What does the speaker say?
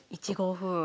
１五歩。